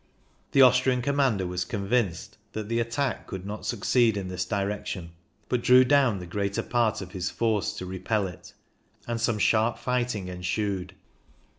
The Austrian commander was convinced that the attack could not succeed in this direction, but drew down the greater part of his force to repel it, and some sharp fighting ensued.